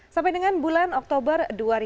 sampai dengan bulan oktober dua ribu tujuh belas